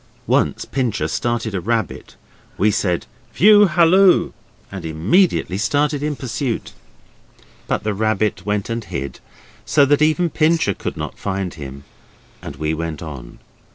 Once Pincher started a rabbit. We said, 'View Halloo!' and immediately started in pursuit; but the rabbit went and hid, so that even Pincher could not find him, and we went on.